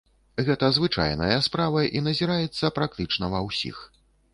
Гэта звычайная справа, і назіраецца практычна ва ўсіх.